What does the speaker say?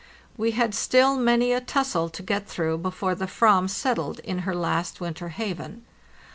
We had still many a tussle to get through before the ram settled in her last winter haven.